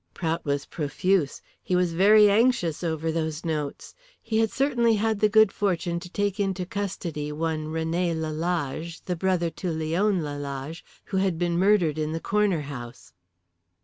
Prout was profuse. He was very anxious over those notes. He had certainly had the good fortune to take into custody one René Lalage, the brother to Leon Lalage, who had been murdered in the Corner House.